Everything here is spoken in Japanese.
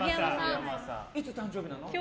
いつ誕生日なの？